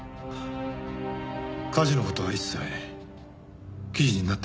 火事の事は一切記事になってないはずだ。